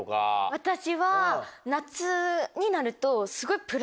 私は。